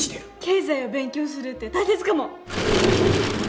経済を勉強するって大切かも。